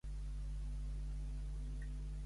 Aquestes declaracions contradiuen les de Cobos i Nieto.